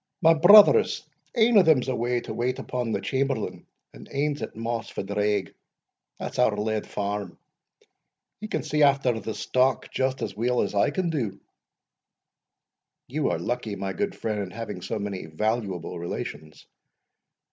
My brothers, ane o' them's away to wait upon the chamberlain, and ane's at Moss phadraig, that's our led farm he can see after the stock just as weel as I can do." "You are lucky, my good friend, in having so many valuable relations."